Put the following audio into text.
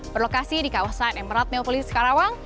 berlokasi di kawasan emerald neopolis karawang